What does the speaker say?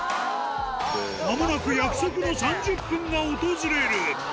まもなく約束の３０分が訪れる。